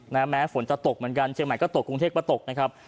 แม้แม้ฝนจะตกเหมือนกันเชียงใหม่ก็ตกกรุงเทพก็ตกนะครับ